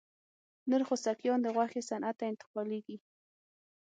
نر خوسکایان د غوښې صنعت ته انتقالېږي.